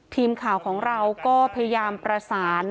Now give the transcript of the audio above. ทีมข่าวของเราก็พยายามประสาน